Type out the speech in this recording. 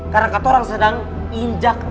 karena katorang sedang injak terang